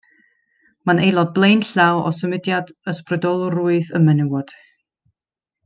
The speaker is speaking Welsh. Mae'n aelod blaenllaw o symudiad ysbrydolrwydd y menywod.